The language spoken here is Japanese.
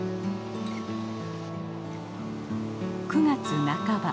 ９月半ば。